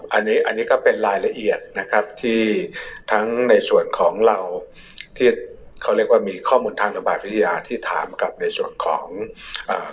อันนี้อันนี้ก็เป็นรายละเอียดนะครับที่ทั้งในส่วนของเราที่เขาเรียกว่ามีข้อมูลทางระบาดวิทยาที่ถามกับในส่วนของอ่า